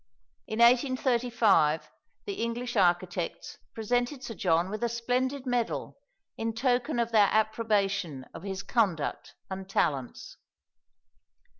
In 1835 the English architects presented Sir John with a splendid medal in token of their approbation of his conduct and talents.